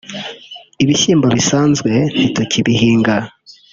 ibishyimbo bisanzwe ntitukibihinga